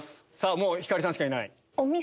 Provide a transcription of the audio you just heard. もう星さんしかいない。